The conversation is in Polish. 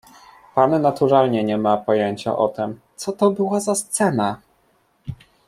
"Pan naturalnie nie ma pojęcia o tem, co to była za scena?"